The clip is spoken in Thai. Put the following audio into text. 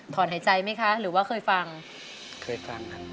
ถอนหายใจไหมคะหรือว่าเคยฟังเคยฟังครับ